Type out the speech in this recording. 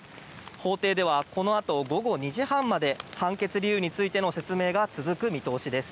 法廷ではこのあと午後２時半まで判決理由についての説明が続く見通しです。